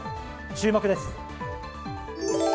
注目です。